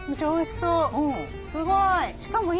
おいしそう。